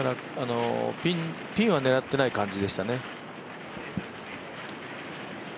ピンは狙ってない感じでしたね。